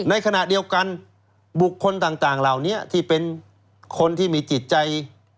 ในขณะเดียวกันบุคคลต่างเหล่านี้ที่เป็นคนที่มีจิตใจ